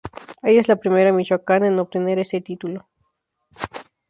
Ella es la primera Michoacana en obtener este título.